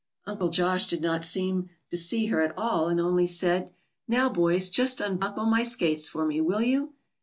Uncle Josh did not seem to see her at all, and only said, "Now, boys, just unbuckle my skates for me, will you?"